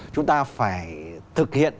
chúng ta phải thực hiện